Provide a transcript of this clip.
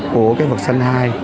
của cái vật sân hai